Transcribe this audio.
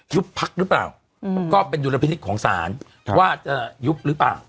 พักหรือเปล่าก็เป็นดุลพินิษฐ์ของศาลว่าจะยุบหรือเปล่า